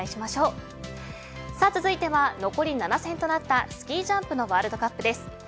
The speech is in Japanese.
続いては、残る７戦となったスキージャンプのワールドカップです。